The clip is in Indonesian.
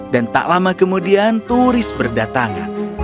dan tak lama kemudian turis berdatangan